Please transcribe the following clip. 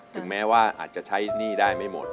ถึงแม้ว่าอาจจะใช้หนี้ได้ไม่หมด